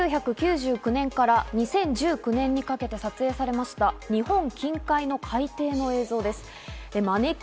こちらは１９８９年から２０１９年にかけて撮影されました日本近海の海底の映像です。